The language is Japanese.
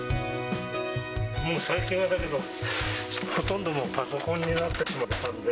もう最近は、だけど、ほとんどもうパソコンになってしまったんで。